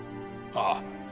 ああ。